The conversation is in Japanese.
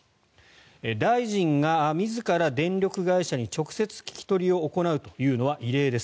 大臣が自ら電力会社に直接聞き取りを行うというのは異例です。